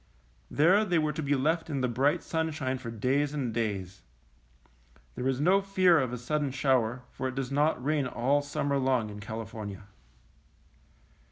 There they were to be left in the bright sun shine for days and days. There is no fear of a sudden shower, for it does not rain all sum mer long in California.